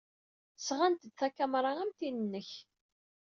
Sɣant-d takamra am tin-nnek.